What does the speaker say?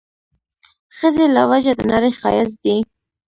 ښځې له وجه د نړۍ ښايست دی